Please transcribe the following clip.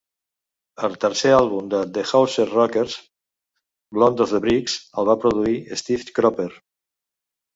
El tercer àlbum de The Houserockers, "Blood on the Bricks", el va produir Steve Cropper.